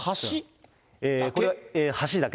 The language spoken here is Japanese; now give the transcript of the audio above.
これ、橋だけ？